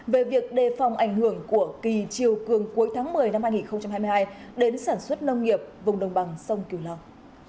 về việc đề phòng ảnh hưởng của kỳ chiều cường cuối tháng một mươi năm hai nghìn hai mươi hai đến sản xuất nông nghiệp vùng đồng bằng sông kiều long